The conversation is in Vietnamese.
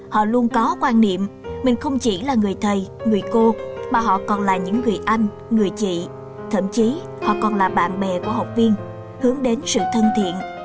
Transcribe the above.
họ luôn có quan niệm mình không chỉ là người thầy người cô mà họ còn là những người anh người chị thậm chí họ còn là bạn bè của học viên hướng đến sự thân thiện